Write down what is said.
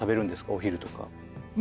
お昼とか。